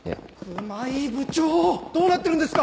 熊井部長どうなってるんですか！